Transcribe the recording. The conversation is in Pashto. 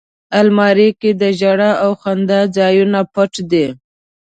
الماري کې د ژړا او خندا ځایونه پټ دي